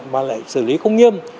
mà lại xử lý không nghiêm